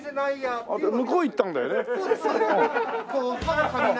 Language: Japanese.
向こう行ったんだよね。